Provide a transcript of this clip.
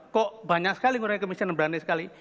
kok banyak sekali yang mengurangi kemiskinan berani sekali